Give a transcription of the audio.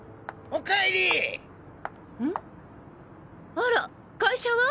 あら会社は？